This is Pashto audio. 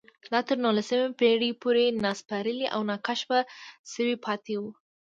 دا تر نولسمې پېړۍ پورې ناسپړلي او ناکشف شوي پاتې وو